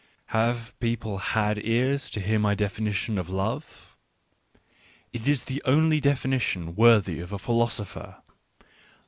Have people had ears to hear my definition of love ? It is the only definition worthy of a philosopher.